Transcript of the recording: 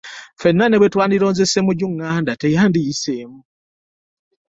Ffenna ne bwetwandironze Ssemujju Nganda era teyandiyiseemu